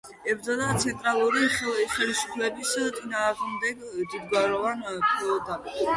ებრძოდა ცენტრალური ხელისუფლების მოწინააღმდეგე დიდგვაროვან ფეოდალებს.